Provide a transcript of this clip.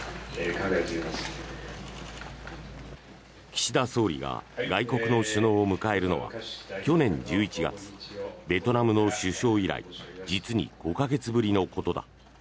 岸田総理が外国の首脳を迎えるのは去年１１月、ベトナムの首相以来実に５か月ぶりのことだ。